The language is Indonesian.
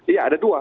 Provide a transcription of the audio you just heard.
iya ada dua